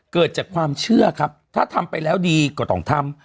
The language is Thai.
เกิดจากความเชื่อครับถ้าทำไปแล้วดีก็ต้องทำ